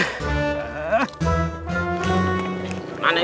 eh duduk naik nah diam